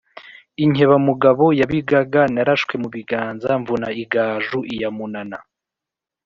Inkebamugabo ya Bigaga, narashwe mu biganza mvuna igaju lya Munana